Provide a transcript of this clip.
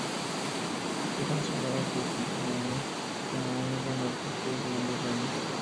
Es mencionado por Quintiliano como un buen artista de segundo rango.